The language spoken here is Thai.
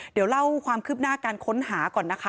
เดี๋ยวเล่าความคืบหน้าการค้นหาก่อนนะคะ